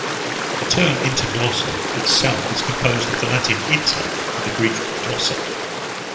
The term "Inter-glossa" itself is composed of the Latin "inter" and the Greek "glossa".